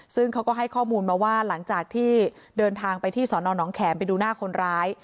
ซึ่งเขาก็ให้ข้อมูลมาว่าหลังจากที่เดินทางไปที่สอนอนน้องแขมไปดูหน้าคนร้าย